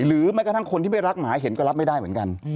แม้กระทั่งคนที่ไม่รักหมาเห็นก็รับไม่ได้เหมือนกัน